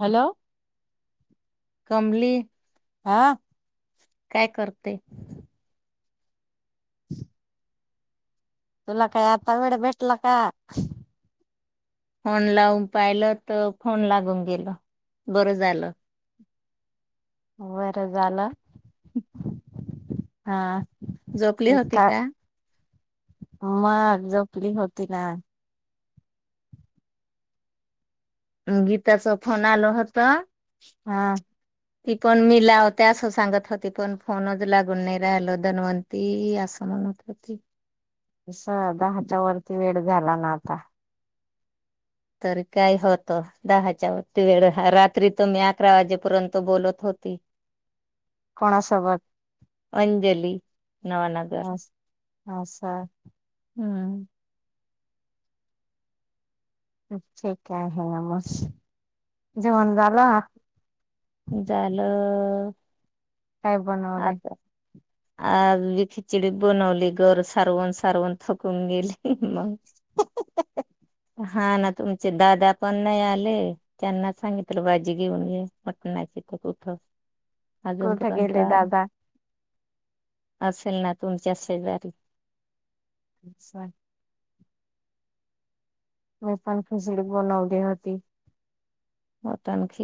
Hello! कंमली. आ? काय करते [unintelligible] तुला काही आता वेळ भेटला का? फोन लावून पाहिलं तर फोन लागून गेल बरं झालं. वगैरं झालं. हा झोकली होती इतका का? मग जपली होती ना. गीता च फोन आलो हत! हा ती पण मीला होते असं सांगत होती पण फोनच लागून नाही राहिल धनवंती असं म्हणत होती. दहाच्या वरती वेळ झाला ना आता तरी काय होतं दहाच्या वती वेळ रात्री त मी अकरा वाजेपर्यंत बोलत होती. कोणासोबत? अंजली. नवानगर. ह सा हम्म ठीक आहे [unintelligible] जेवण झालं? झालं. काय बनवलंय? आता आज बी खिचडीच बनवली घर सारवुन सारवुन थकून गेली मग. [unintelligible] हा ना तुमचे दादा पण नाही आले त्यांना सांगितलं भाजी घेऊन य [unintelligible] कुठे गेले दादा? असेल ना तुमच्याच शेजारी. [unintelligible] मी पण खिचडी बनवली होती. [unintelligible]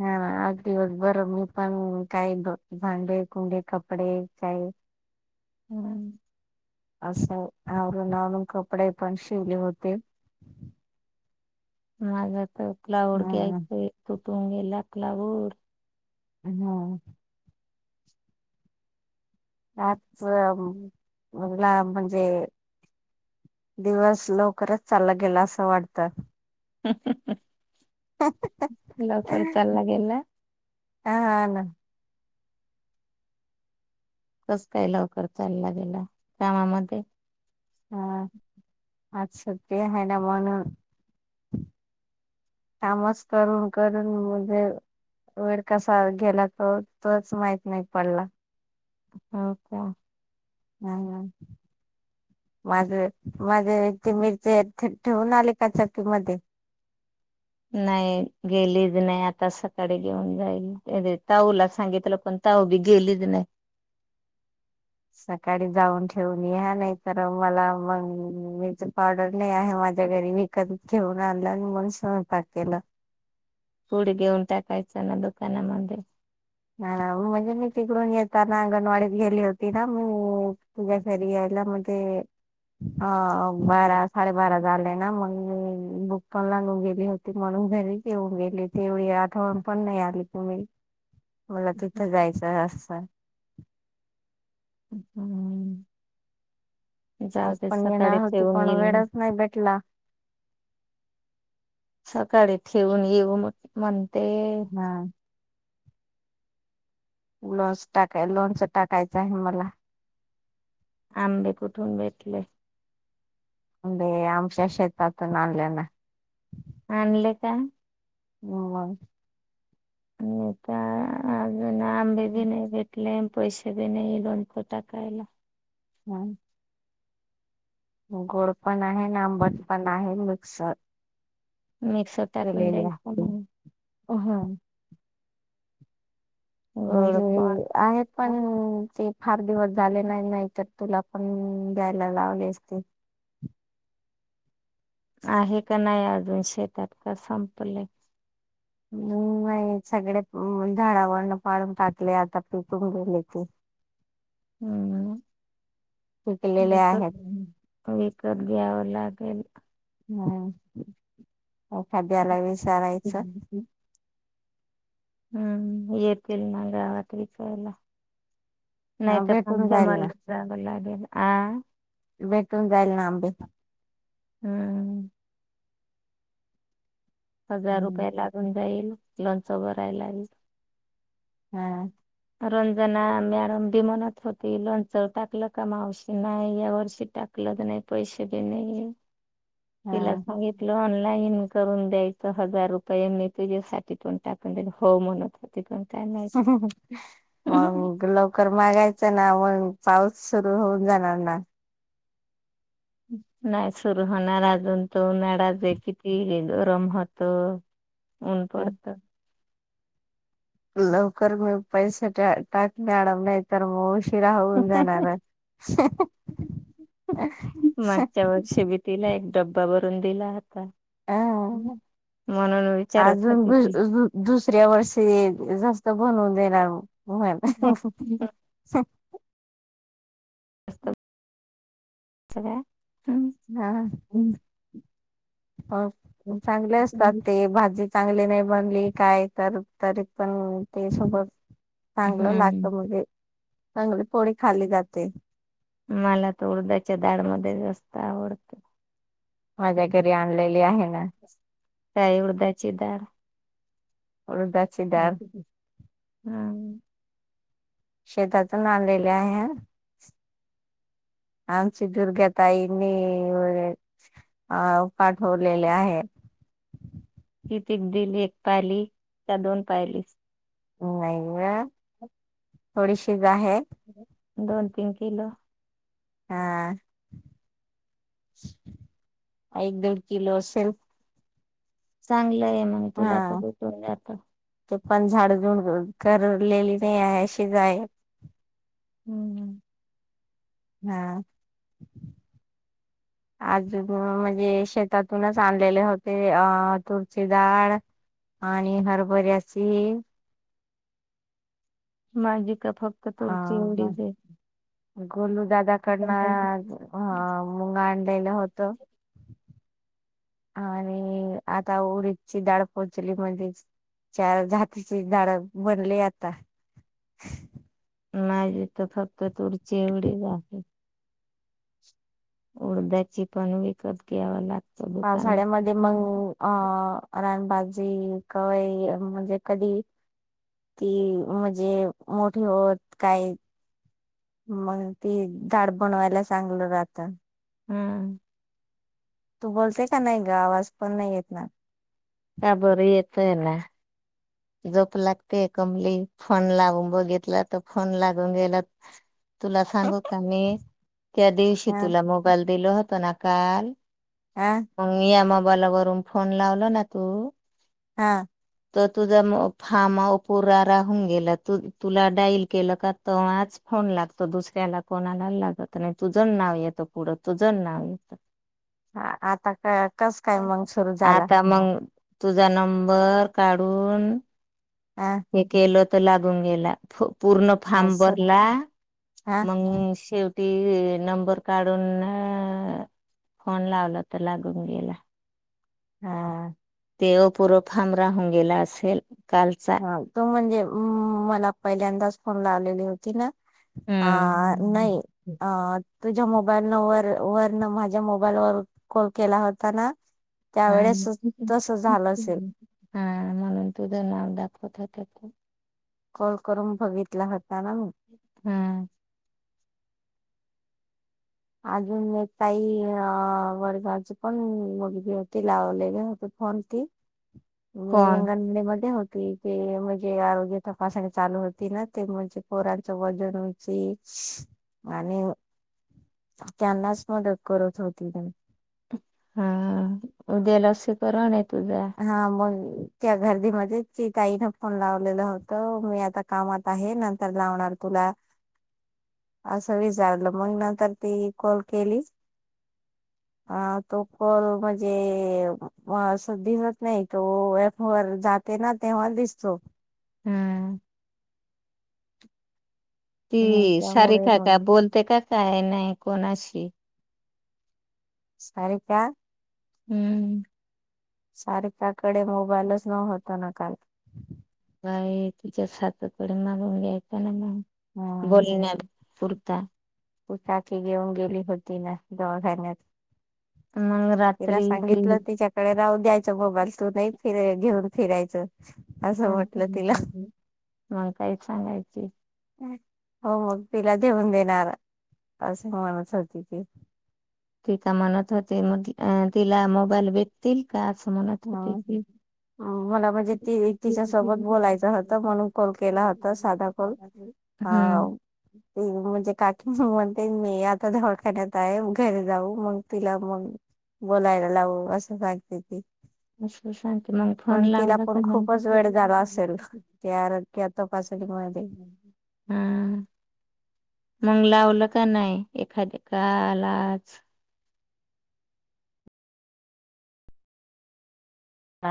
हा आज दिवस भर गरम हो पण काही भांडे कुंडे कपडे काही हम्म असं आवरून आवरून कपडे पण शिवले होते. माझा तर. [unintelligible] हम्म घ्यायचंय त पावणे लाखला वर हम्म आज मला म्हणजे दिवस लवकरंच चालला गेलं असं वाटतं. [unintelligible] लवकर चालला गेला हा ना. कसं काय लवकर चालला गेला कामामध्ये [unintelligible] अच्छा ते आहे ना म्हणून. कामच करून करून म्हणजे वेळ कसा गेला तो तोच माहित नाही पडला. हो का. हा. माझ माझे ते मिरचे ठे ठेवून आले का चक्की मध्ये. नाही, गेलीच नाही आता सकाळी घेऊन जाईल. त्या ताऊला सांगितलं पण ताऊ बी गेलीच नाही. सकाळी जाऊन ठेवून या. नाही तर मला मग मीरची पावडर नाही आहे माझ्या घरी विकत घेऊन आणलं मग स्वयंपाक केलं. पूड घेऊन टाकायचं ना दुकानामध्ये हा म्हणजे मी तिकडून येताना अंगणवाडीत गेली होती ना, मी तुझ्या घरी यायला मग ते अ बारा साडेबारा झाले ना, मग मी भुक पण लागून गेली होती, म्हणून घरीच येऊन गेली हो तेवढी आठवण पण नाही आली तुम्ही मला तिथं जायचंय असं हम्म जाऊ आज दे पण सकाळी येणार होती ठेवून पण येईल मी वेळंच नाही भेटला. सकाळी ठेवून येऊ म म्हण हा लॉस टाकाय लोणचं टाकायचं आहे मला. आंबे कुठून भेटले? आंबे आमच्या शेेतातून आणले ना. आणल का? हो निता ना आंबे बी नाही भेटलेन. पैसे बी नाही दोणको टाकायला. हम्म गोड पण आहे ना आंबट पण आहे मिक्स. मिक्स टाकून केलेले द्यायच मंग. आहे म्हणजे! आहेत पण ते फार दिवस झाले नाही, नाही तर तुला पण द्यायला लावली असते आहे का नाही अजून शेतात? का संपलय? हम्म नाही सगळे झाडावरण पाडून टाकले आता पिकून गेले ते. हम्म पिकलेले विकत. आहेत विकत घ्यावं लागेल. हम्म एखाद्याला विचारायचं. हम्म येतिल ना गावात विकायला. नाही हा तर मग भेटून जाईल ना जंगलात. आ भेटून जाईल ना आंबे हम्म हजार हम्म रुपये लागून जाईल. लोणच भरायला ये. हम्म रंजना मॅडम बी म्हनत होती लोणच टाकलं का मावशी? नाही, या वर्षी टाकलंच नाही पैसे बी नाही. तिला हा सांगितलं ऑनलाई. ईन करून द्यायचं हजार रुपये मि तुझेसाठी पण टाकून देईन, हो म्हणत हो ती पण काय माहित [unintelligible] मग लवकर मागायचं ना. मग पाऊस सुरू होऊन जाणार ना. नाही सुरू होणार अजून तो उन्हाळाचे किती गरम होत. उन हं. पडत. लवकर म पैसे टा टाक मॅडम नाही तर मग उ- शीरा होऊन जाणार. मागच्या वर्षी बी तिला एक डब्बा भरून दिला होता. अ म्हणून विचारत अजून होती दुस ती दुस दुसऱ्या वर्षी जास्त बनवून- देना म [unintelligible] [inaudible] सगळ्या. हम्म हा ह चांगले असतात ते भाजी चांगली नाही बनली काय तर तरी पण ते सोबत चांगलं लागत मुजे चांगली पोळी खाली जाते. मला तर उडदाच्या डाळमध्ये जास्त आवडत. माझ्या घरी आणलेली आहे ना. काय उडदाची डाळ? उडदाची डाळ हम्म. शेतातून आनलेली आहे. आमची दुर्ग्या ताईंनी अ पाठवलेले आहे. कीतीक दिली एक पायली का दोन पायलीस. नाही व थोडीशीज आहे. दोन तीन किलो हा एक दीड किलो असेल. चांगलंय. हा ते पण झाड कर कापलेली नाही आहे शीजाय [inaudible] हम हा अजून म्हणजे शेतातूनच आणलेले होते अं तुरचीडाळ आणि हरभऱ्याची माजी हा गोलू आहे दादाकडनं ह मुंग आणलेलं होतं. आणि आता उडीदची डाळ पोहोचली म्हणजे चार जातीची डाळ बनली आता. नाही तर फक्त तुरची एवढीच आहे. उडद्याची पण विकत घ्याव लाग पावसाळ्यामध्ये मंग अ रानबा ती काय म्हणजे कधी ती म्हणजे मोठी होत काय मग ती ताड पनवायला सांगलं जात. हम. तू बोलते का नाही ग आवाज पण नाही येत ना? का बरं येतय ना झोप लागते कमली फोन लाऊन बघीतला तर फोन लागून गेला. तुला सांगू का मी त्या दिवशी ह तुला मोबाईल दिलो ह ह [unintelligible] [unintelligible] मला वरून फोन लावल ना तू? हा. तुझ मो फार्म पुुरा राहून गेलं तू तुला डाईल केलं का तवाच फोन लागतो दुसऱ्याला कोणाला लागत नाही तुझच नाव येतं पुढं तुझ नाव ह आता कस काय मग सुरू झाला? आता मग तुझा नंबर काढू दोन अ हे केलंत त लागून गेला फु पूर्ण फार्म असं भरला हा मंग शे ती अ नंबर काढून अअ फोन लावला तर लागून गेला. हा आ. ते ओ पुर फार्म राहून गेला असेल कालचा हाव तो म्हणजे अ मला पहिल्यांदाच फोन आलेली होती ना आ नाही हम्म अ तुझ्या मोबाईल न वर वर न माझ्या मोबाईल वर कॉल केला होता ना हा त्यावेेळेस तस झालं असेल हा म्हणून तुझं नाव दाख [unintelligible] कॉल करून बघितला हो हा. अजून एक ताई अ वर्गाची पण मुलगी होती लावलेली होती फोन ती [unintelligible] कोण ती जे म्हणजे आरोग्य तपासणी चालू होती ना ते म्हणजे पोरांचं वजन उंची आणि त्यांनाच मदत करत होती. हा उद्या लसीकरण ये हा मंग त्या गर्दीमध्ये ति ताईन फोन लावलेलं होत मी आता कामात आहे नंतर लावणार तुला असं विचारलं मग नंतर ती कॉल केली अ तो कॉल म्हणजे आ तो दिसत नाही तो पावर जाते ना तेव्हा दिसतो. ह. ती हम्म त्यामुळे सारका मग काय बोलते का काय नाही कोणाशी सारिका. हम्म. सारिकाकडे मोबाईलच नव्हता ना काल बाई तिच्या सासू कडून मागून घ्यायचा ना मग हम्म बोलण्यात. कुर्ता. घेऊन गेली होती ना दवाखान्यात मग तिला रात्री सांगितलं तिच्याकडे राहू द्यायच मोबाईल तू नाही फि घेऊन फिरायचं असं म्हटलं तिला मग काहीच सांगायची हो मग तिला घेऊन देणार असे म्हणत होती ती ती का म्हणत होते तिला मोबाईल भेटतील का असं म्हणत होते की हम मला म्हणजे ती तिच्या सोबत बोलायचं होतं म्हणून कॉल केला होता साधा कॉल ह हम्म त म्हणजे काकी म्ह म्ह ते मी आता दवाखान्यात आहे घरी जाऊ मग तिला मग बोलायला लावू असं सांगते ती असं सांगते मग फोन पण तिला लावला क हा पण मग खूपच वेळ झाला असेल त्या आरोग्य तपासणीमध्ये लावलं. लावलं का नाही एखादी काल आज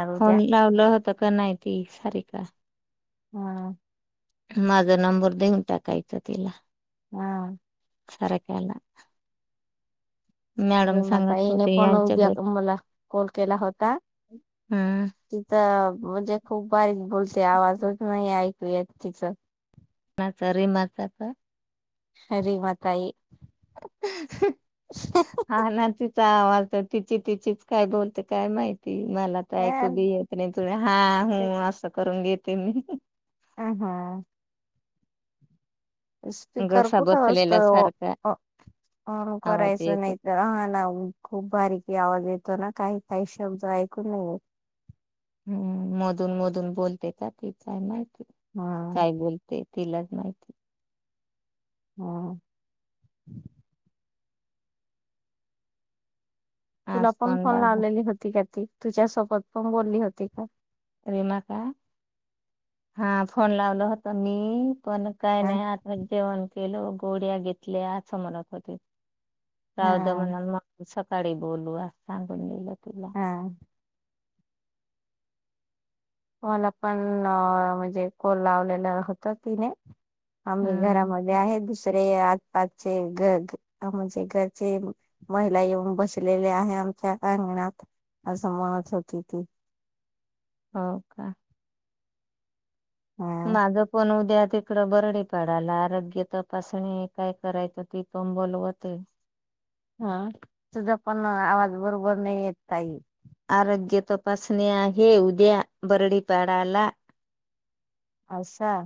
आरोग्या फोन लावलं होता. का नाहीती सारी का? हम्म. माझा नंबर देऊन टाकायचा तिला हा सारिकाला अरे मता सांगत हने होते पण यांच्या उभ्या घरी मला कॉल केला होता तिथ मग जे खूप भारी बोलते हम्चा आवाजच नाही आहे. [inaudible] माच र माचा का खरी माताई [inaudible] हा ना सहा वाजत तिची तिचीच काय बोलते काय माहिती मला तर ऐक हा बी येत नाही तुम्ही हा हो असं करून घेत. [unintelligible] हम हा. स्पीकर घसा कुठ बसलेल्या सारखा आवाज असस्तकरायस येतो नाहीत ह ना खूप बारीक. की आवाज येतो ना काही काही शब्द ऐकू नाहीे येत. हम्म मधून मधून बोलते. हा काय बोलते तिलाच माहिती हा. तुला आज पण फोन लाग लावलेली होती का ती तुझ्यासोबत पण बोलली होती का? रेमा का हा फोन लावल होता मी पण काही हा नाही आताच जेवण केलो गोळ्या घेतल्या असं म्हणत होते. हा म्हणा काळी बोलू असं सांगून दिलं. [unintelligible] हा मला पण म्हणजे कॉल लावलेला होता तिने आम्ही हम्म घरामध्ये आहे दुसरे आ आजचे घ म्हणजे घरचे महिला येऊन बसलेले आहे आमच्या अंगणात असं म्हणत होती ती हो का हा माझं पण उद्याच तिकडं बर आहे निफाडाला आरोग्य तपासणी काय करायचं तिथून बोलवत होते. हा तुझा पण आवाज बरोबर नाही येत काही आरोग्य तपासणी आहे उद्या बरडीपाडाला अस